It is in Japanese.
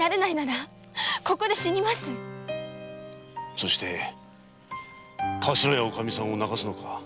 そしてカシラやおカミさんを泣かせるのか。